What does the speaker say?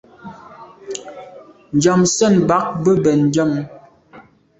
Njam sèn bag be bèn njam.